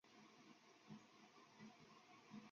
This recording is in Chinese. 周围有麦穗和葡萄装饰。